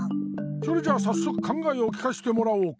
それじゃさっそくかんがえをきかせてもらおうか。